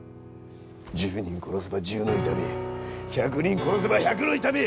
１０人殺せば、１０の痛み１００人殺せば、１００の痛み。